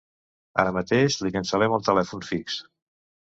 Ara mateix li cancel·lem el telèfon fix.